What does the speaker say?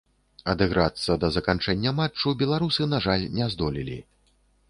Адыграцца да заканчэння матчу беларусы, на жаль, не здолелі.